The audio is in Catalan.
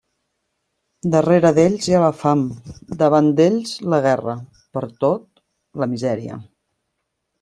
Darrere d'ells hi ha la fam, davant d'ells la guerra, pertot la misèria.